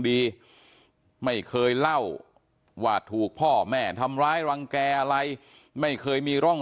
ไม่เคยเล่าว่าถูกพ่อแม่ทำร้ายรังแก่อะไรไม่เคยมีร่อง